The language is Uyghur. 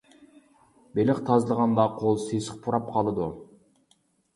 بېلىق تازىلىغاندا قول سېسىق پۇراپ قالىدۇ.